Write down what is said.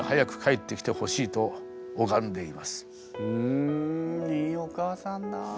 んいいお母さんだ。